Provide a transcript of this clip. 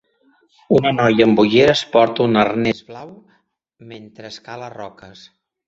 Una noia amb ulleres porta un arnès blau mentre escala roques.